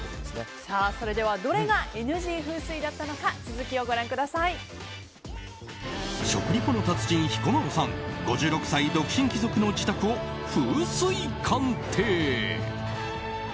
それではどれがＮＧ風水だったのか食リポの達人彦摩呂さん、５６歳独身貴族の自宅を風水鑑定！